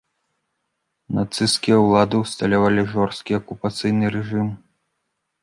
Нацысцкія ўлады ўсталявалі жорсткі акупацыйны рэжым.